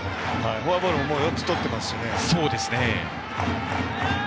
フォアボール、４つとってますし。